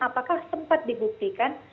apakah sempat dibuktikan